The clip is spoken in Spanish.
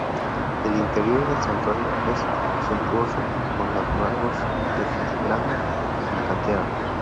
El interior del santuario es suntuoso, con labrados de filigrana en la cantera.